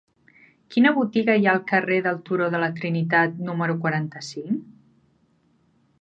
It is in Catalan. Quina botiga hi ha al carrer del Turó de la Trinitat número quaranta-cinc?